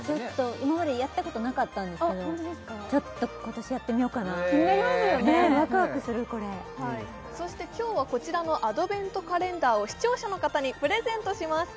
今までやったことなかったんですけどちょっと今年やってみようかな気になりますよねワクワクするこれ今日はこちらのアドベントカレンダーを視聴者の方にプレゼントします